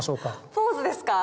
ポーズですか？